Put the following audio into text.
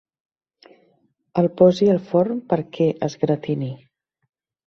El posi al forn perquè es gratini.